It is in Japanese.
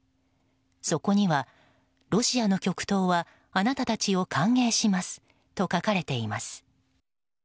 そこにはロシアの極東はあなたたちを歓迎しますと書かれています。